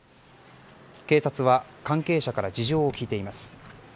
警察は関係者から事情を聴いています。